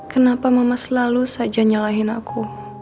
kenapa mama selalu saja nyalahin aku